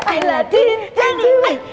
aladin jadi andowet